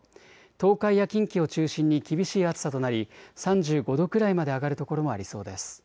東海や近畿を中心に厳しい暑さとなり３５度くらいまで上がる所もありそうです。